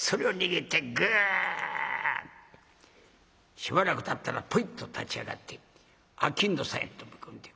しばらくたったらポイッと立ち上がって商人さんへ飛び込んでいく。